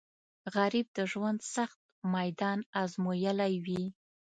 غریب د ژوند سخت میدان ازمویلی وي